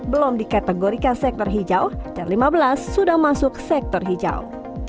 sembilan ratus empat belum dikategorikan sektor hijau dan lima belas sudah masuk sektor hijau